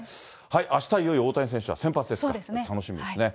あしたはいよいよ大谷選手は先発ですから楽しみですね。